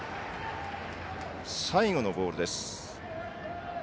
最後のボールです。